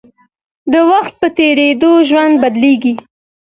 د وخت په تېرېدو ژوند بدلېږي.